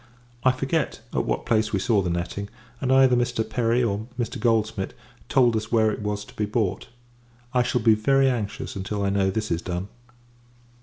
I forget, at what place we saw the netting; and either Mr. Perry, or Mr. Goldsmid, told us where it was to be bought. I shall be very anxious until I know this is done.